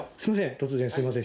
突然すいません。